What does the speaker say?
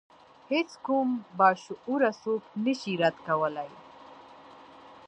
هیڅ کوم باشعوره څوک نشي رد کولای.